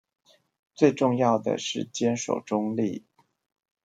最重要的是堅守中立